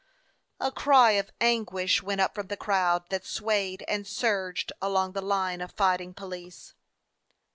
A cry of anguish went up from the crowd that swayed and surged along the line of fight ing police.